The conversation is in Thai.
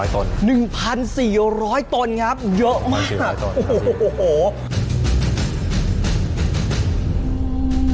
๑๔๐๐ต้นครับเยอะมาก